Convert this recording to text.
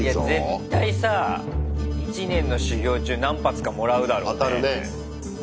絶対さ一年の修業中何発かもらうだろうね。当たるね。